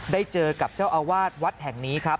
ได้เจอกับเจ้าอาวาสวัดแห่งนี้ครับ